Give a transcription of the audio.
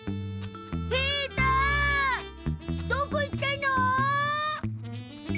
平太どこ行ったの？